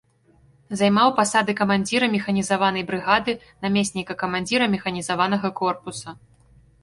Займаў пасады камандзіра механізаванай брыгады, намесніка камандзіра механізаванага корпуса.